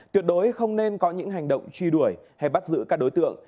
tuyệt đối không nên có những hành động truy đuổi hay bắt giữ các đối tượng